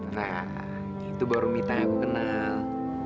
nah itu baru minta aku kenal